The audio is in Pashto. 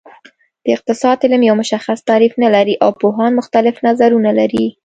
د اقتصاد علم یو مشخص تعریف نلري او پوهان مختلف نظرونه لري